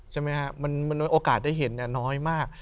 ใช่ไหมฮะโอกาสได้เห็นน้อยมาก